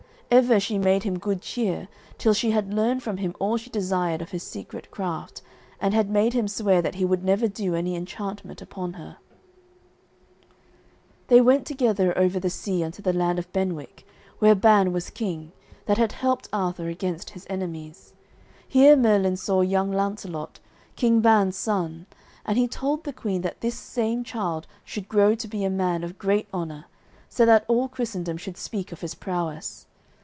Ever she made him good cheer, till she had learned from him all she desired of his secret craft, and had made him swear that he would never do any enchantment upon her. [Illustration: Merlin and Nimue] They went together over the sea unto the land of Benwick, where Ban was king, that had helped Arthur against his enemies. Here Merlin saw young Launcelot, King Ban's son, and he told the queen that this same child should grow to be a man of great honour, so that all Christendom should speak of his prowess.